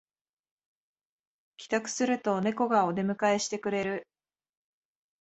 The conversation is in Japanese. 帰宅するとネコがお出迎えしてくれる